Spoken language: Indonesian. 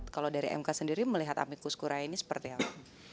kalau dari mk sendiri melihat amikus korea ini seperti apa